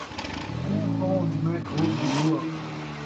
توں کون، میں گھوٹ دی بُوا